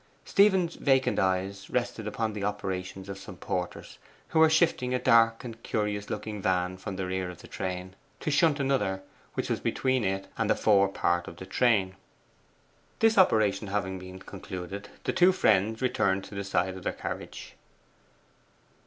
Stephen's vacant eyes rested upon the operations of some porters, who were shifting a dark and curious looking van from the rear of the train, to shunt another which was between it and the fore part of the train. This operation having been concluded, the two friends returned to the side of their carriage.